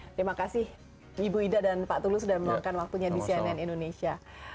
terima kasih ibu ida dan pak tulus sudah meluangkan waktunya di cnn indonesia